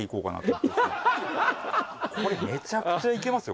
これめちゃくちゃいけますよ。